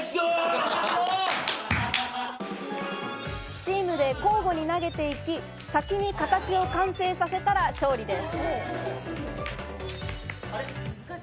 チームで交互に投げていき、先に形を完成させたら勝利です。